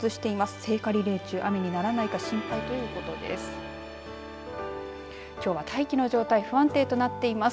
聖火リレー中、雨にならないか心配とのことです。